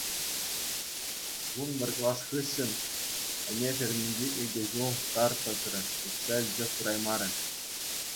Вун пӗр класс хыҫҫӑн ӗне ферминче икӗ ҫул тар тӑкрӗ, укҫа илсе кураймарӗ.